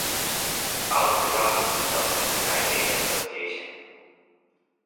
Al-Turabi himself has denied any association.